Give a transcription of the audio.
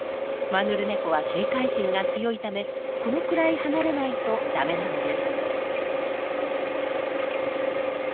マヌルネコは警戒心が強いためこのくらい離れないとダメなのです。